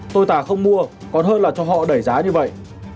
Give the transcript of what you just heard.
tôi tả không mua còn hơn là cho họ đẩy giá như vậy